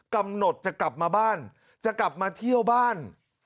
กำหนดจะกลับมาบ้านจะกลับมาเที่ยวบ้าน